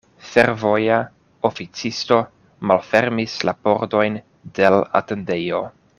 Fervoja oficisto malfermis la pordojn de l' atendejo.